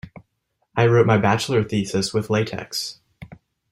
I wrote my bachelor thesis with latex.